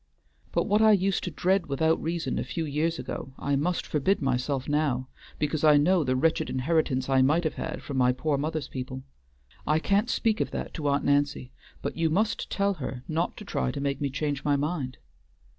But what I used to dread without reason a few years ago, I must forbid myself now, because I know the wretched inheritance I might have had from my poor mother's people. I can't speak of that to Aunt Nancy, but you must tell her not to try to make me change my mind."